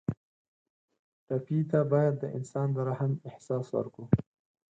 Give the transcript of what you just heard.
ټپي ته باید د انسان د رحم احساس ورکړو.